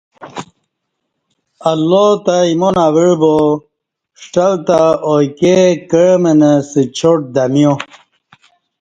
اللہ تہ ایمان اَوع با ݜٹل تہ آایکے کع منہ ستہ چاٹ دمیا